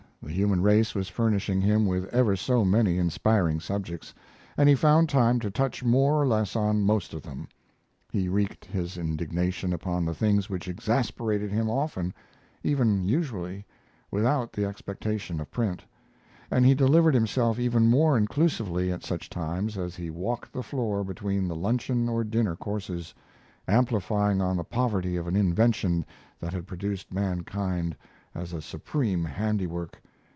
The human race was furnishing him with ever so many inspiring subjects, and he found time to touch more or less on most of them. He wreaked his indignation upon the things which exasperated him often even usually without the expectation of print; and he delivered himself even more inclusively at such times as he walked the floor between the luncheon or dinner courses, amplifying on the poverty of an invention that had produced mankind as a supreme handiwork.